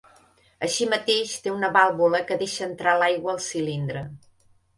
Així mateix, té una vàlvula que deixa entrar l'aigua al cilindre